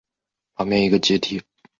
旁边一个阶梯